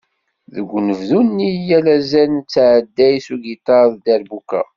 Deg unebdu-nni, yal azal nettɛedday s ugiṭar d dderbuka.